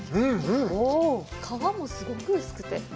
皮もすごく薄くて。